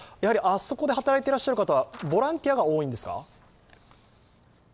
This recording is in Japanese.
あそこで働いていらっしゃる方はボランティアが多いんですか。